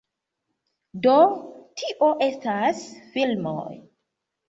Do, tio estas filmoj